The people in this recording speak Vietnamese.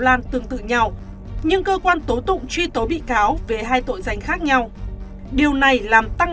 lan tương tự nhau nhưng cơ quan tố tụng truy tố bị cáo về hai tội danh khác nhau điều này làm tăng